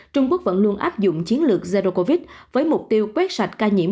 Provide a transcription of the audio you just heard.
trung quốc vẫn luôn áp dụng chiến lược zero covid với mục tiêu quét sạch ca nhiễm